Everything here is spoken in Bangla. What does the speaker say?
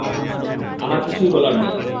আমার কিছুই বলার নেই।